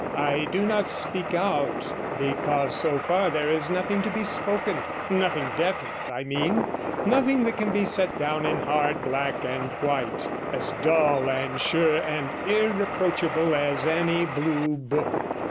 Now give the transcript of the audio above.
'I do not speak out because, so far, there is nothing to be spoken, nothing definite, I mean, nothing that can be set down in hard black and white, as dull and sure and irreproachable as any blue book.